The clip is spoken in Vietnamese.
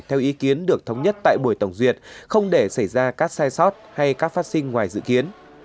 theo ý kiến được thống nhất tại buổi tổng duyệt không để xảy ra các sai sót hay các phát sinh ngoài dự kiến